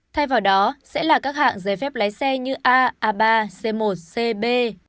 thay vào đó sẽ là các hạng giấy phép lái xe như a a ba c một c b